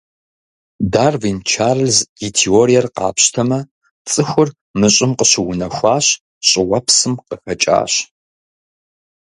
Дарвин Чарльз и теориер къапщтэмэ, цӏыхур мы Щӏым къыщыунэхуащ, щӏыуэпсым къыхэкӏащ.